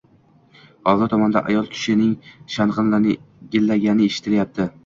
Hovli tomondan ayol kishining shang‘illagani eshitilyapti.